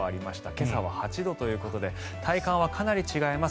今朝は８度ということで体感はかなり違います。